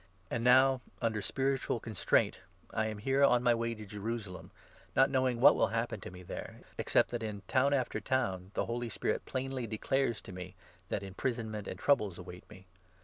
And now, under spiritual 22 constraint, I am here on my way to Jerusalem, not knowing what will happen to me there, except that in town after town 23 the Holy Spirit plainly declares to me that imprisonment and troubles await me.